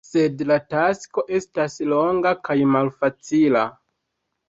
Sed la tasko estas longa kaj malfacila.